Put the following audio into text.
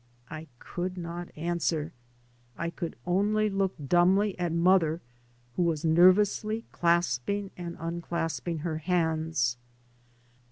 1 could not answer. I could only look dumbly at mother who was nervously clasping and unclasping her hands.